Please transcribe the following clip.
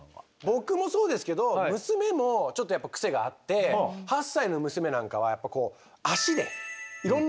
僕もそうですけど娘もちょっとやっぱクセがあって８歳の娘なんかは足でいろんな物を触っちゃうんですよ。